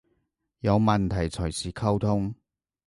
有問題隨時溝通